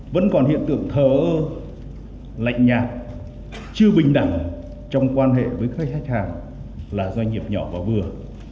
vẫn còn hiện tượng thờ ơ lạnh nhạt chưa bình đẳng trong quan hệ với khách hàng là doanh nghiệp nhỏ và vừa